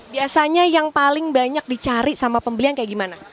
biasanya yang paling banyak dicari sama pembelian kayak gimana